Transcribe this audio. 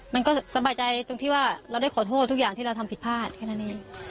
มันก็สบายใจตรงที่ว่าเราได้ขอโทษทุกอย่างที่เราทำผิดพลาดแค่นั้นเอง